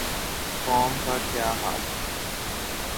قوم کا کیا حال ہے۔